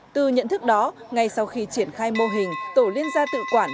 từ nhận thức đó ngay sau khi triển khai mô hình tổ liên gia tự quản